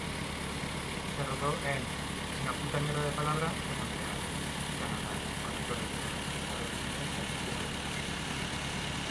Se rodó en locaciones de Montreal, Canadá, con actores estadounidenses y europeos.